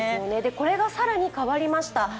これが更に変わりました。